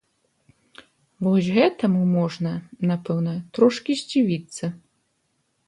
Вось гэтаму можна, напэўна, трошкі здзівіцца.